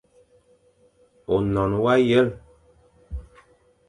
Ônon wa yel,,